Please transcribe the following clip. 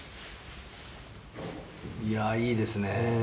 いやいいですね。